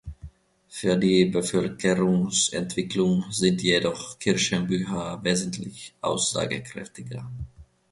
Für die Bevölkerungsentwicklung sind jedoch Kirchenbücher wesentlich aussagekräftiger.